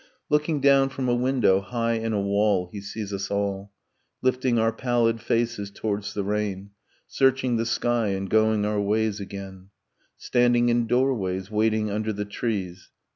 Looking down from a window high in a wall He sees us all; Lifting our pallid faces towards the rain, Searching the sky, and going our ways again, Standing in doorways, waiting under the trees